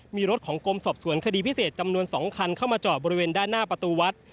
มีรถของกรมสอบสวนคดีพิเศษจำนวน๒คันเข้ามาจอดบริเวณด้านหน้าประตูวัด